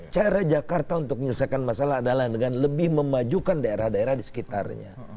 cara jakarta untuk menyelesaikan masalah adalah dengan lebih memajukan daerah daerah di sekitarnya